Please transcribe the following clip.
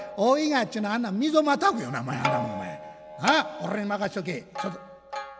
俺に任しとけちょっと。